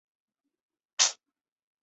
这可以用高斯算法验证。